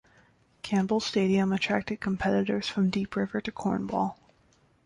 Campbell Stadium attracted competitors from Deep River to Cornwall.